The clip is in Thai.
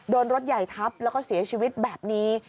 รถใหญ่ทับแล้วก็เสียชีวิตแบบนี้